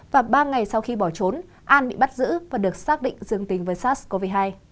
và ba ngày sau khi bỏ trốn an bị bắt giữ và được xác định dương tính với sars cov hai